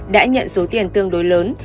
đã nhận số tiền tương đối lớn